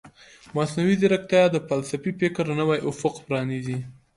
مصنوعي ځیرکتیا د فلسفي فکر نوی افق پرانیزي.